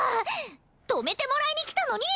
止めてもらいにきたのに！